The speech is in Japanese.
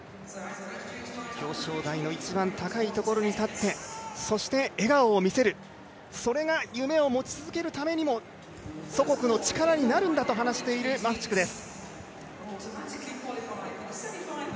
表彰台の一番高いとこに立ってそして笑顔を見せる、それが夢を持ち続けるためにも祖国の力になるんだと話しているマフチクです。